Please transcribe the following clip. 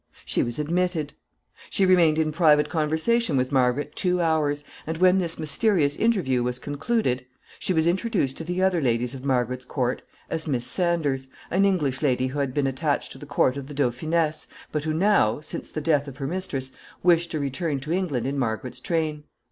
She was admitted. She remained in private conversation with Margaret two hours, and when this mysterious interview was concluded she was introduced to the other ladies of Margaret's court as Miss Sanders, an English lady who had been attached to the court of the dauphiness, but who now, since the death of her mistress, wished to return to England in Margaret's train.